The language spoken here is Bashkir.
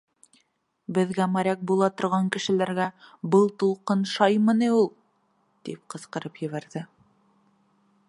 Беҙгә, моряк була торған кешеләргә, был тулҡын шаймы ни ул?! -тип ҡысҡырып ебәрҙе.